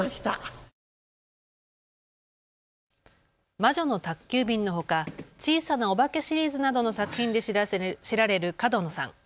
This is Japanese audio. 魔女の宅急便のほか小さなおばけシリーズなどの作品で知られる角野さん。